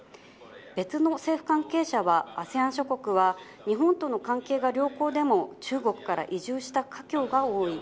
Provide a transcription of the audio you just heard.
別の政府関係者は、ＡＳＥＡＮ諸国は日本との関係が良好でも、中国から移住した華僑が多い。